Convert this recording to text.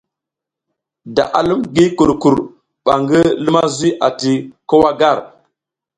Da a lum gi kurkur mba ngi luma zuy ati ko wa gar.